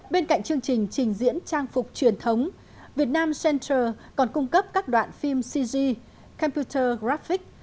bên cạnh chương trình trình diễn trang phục truyền thống vietnam center còn cung cấp các đoạn phim cg computer graphics